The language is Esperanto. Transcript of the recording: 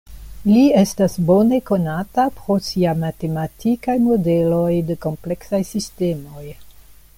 Li estas bone konata pro sia matematikaj modeloj de kompleksaj sistemoj.